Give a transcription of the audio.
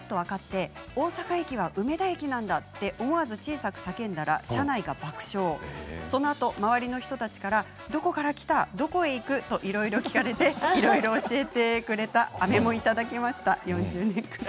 はっと分かって大阪駅は梅田駅なんだと思わず小さく叫んだら車内が爆笑、そのあと周りの人たちからどこから来た、どこ行くといろいろ聞かれていろいろ教えてくれた。